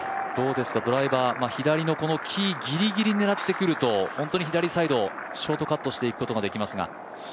ドライバー、左の木ギリギリ狙ってくると本当に左サイド、ショートカットしていくことができますが。